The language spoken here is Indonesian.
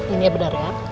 ini ya benar ya